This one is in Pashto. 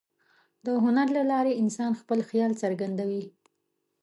د هنر له لارې انسان خپل خیال څرګندوي.